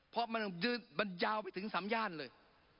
เพราะมันยาวไปถึงสามย่านเลย